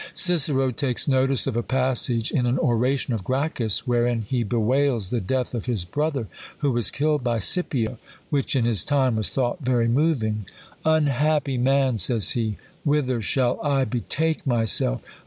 Cicero takes notice of a passage in an oration of Gracchus, wherein he bewails the death of his brother, who was killed by Scipio, which in his time was thought very moving :" Unhap py THE COLUMBIAN ORATOR. 29 py man (says he,) whither shall I betake myself?'